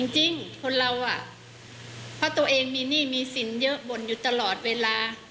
จริงคนเราอ่ะเพราะตัวเองมีหนี้มีสินเยอะบ่นอยู่ตลอดเวลา